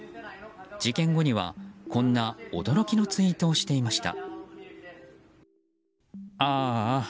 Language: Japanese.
事件後には、こんな驚きのツイートをしていました。